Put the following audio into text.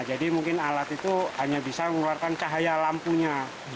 jadi mungkin alat itu hanya bisa mengeluarkan cahaya lampunya